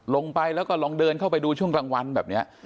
ลงไปแล้วก็ลองเดินเข้าไปดูช่วงกลางวันแบบนี้